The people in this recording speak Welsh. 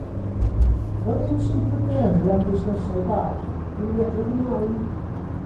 Fel un sy'n pryderu am fusnesau bach, dw i'n edrych ymlaen.